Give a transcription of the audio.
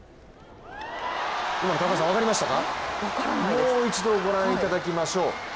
もう一度御覧いただきましょう。